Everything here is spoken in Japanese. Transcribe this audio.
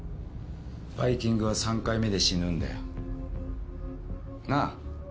バイキングは３回目で死ぬんだよ。なぁ？